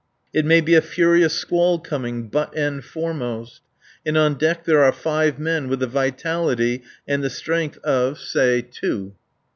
It may be a furious squall coming, butt end foremost. And on deck there are five men with the vitality and the strength of, say, two.